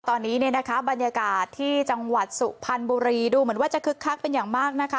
ตอนนี้เนี่ยนะคะบรรยากาศที่จังหวัดสุพรรณบุรีดูเหมือนว่าจะคึกคักเป็นอย่างมากนะคะ